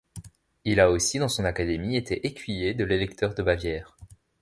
Il a aussi dans son académie été écuyer de l'Électeur de Bavière.